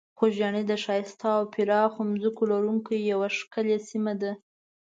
خوږیاڼي د ښایسته او پراخو ځمکو لرونکې یوه ښکلې سیمه ده.